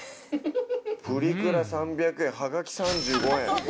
プリクラ３００円はがき３５円。